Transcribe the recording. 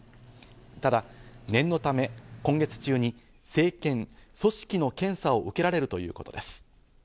ただ念のため今月中に生検＝組織の検査を受けられるということです。